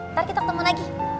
ntar kita ketemu lagi